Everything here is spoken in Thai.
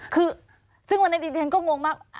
คือซึ่งวันนี้ดิฉันก็งงมาก